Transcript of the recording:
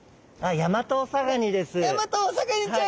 ヤマトオサガニちゃん。